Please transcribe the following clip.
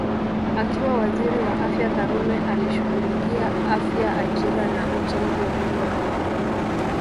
Akiwa Waziri wa Afya Karume alishughulikia Afya Ajira na Ujenzi wa Nyumba